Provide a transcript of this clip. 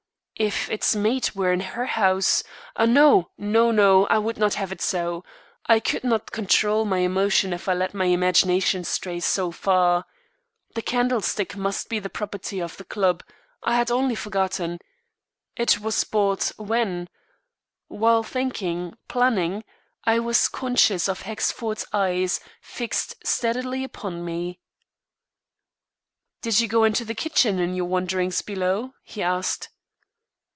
If its mate were in her house No, no, no! I would not have it so. I could not control my emotion if I let my imagination stray too far. The candlestick must be the property of the club. I had only forgotten. It was bought when? While thinking, planning, I was conscious of Hexford's eyes fixed steadily upon me. "Did you go into the kitchen in your wanderings below?" he asked.